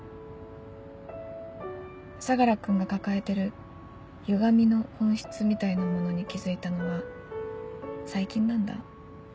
相楽君が抱えてるゆがみの本質みたいなものに気付いたのは最近なんだ。